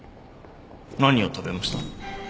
何を食べました？